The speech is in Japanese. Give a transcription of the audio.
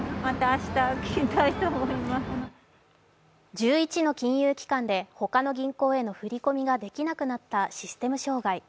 １１の金融機関で他の銀行への振り込みができなくなったシステム障害。